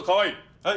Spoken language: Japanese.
はい！